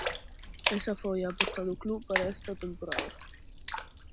Esa foi a aposta do club para esta temporada.